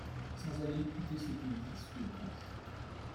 Sans aller écouter ce qu'on dit sous les branches